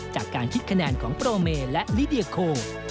จากการคิดคะแนนของโปรเมและลิเดียโค